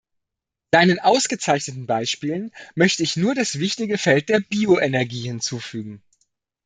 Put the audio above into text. Seinen ausgezeichneten Beispielen möchte ich nur das wichtige Feld der Bioenergie hinzufügen.